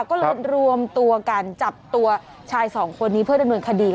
ก็เลยรวมกันจับตัวชายสองคนนี้เพื่อเริ่มหลวนคดี